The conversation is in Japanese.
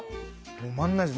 止まんないです。